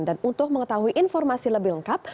untuk mengetahui informasi lebih lengkap